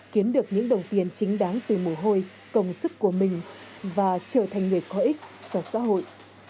kiếm được những đồng tiền chính đáng từ mồ hôi công sức của mình và trở thành người có ích cho xã hội